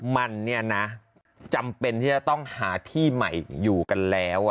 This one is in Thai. มันเนี่ยนะจำเป็นที่จะต้องหาที่ใหม่อยู่กันแล้ว